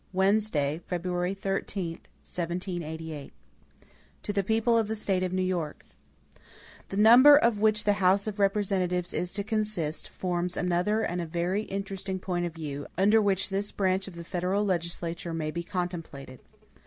Wednesday, February 13, 1788. MADISON To the People of the State of New York: THE number of which the House of Representatives is to consist, forms another and a very interesting point of view, under which this branch of the federal legislature may be contemplated.